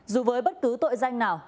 dù với bất cứ tội danh nào